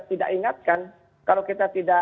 tidak ingatkan kalau kita tidak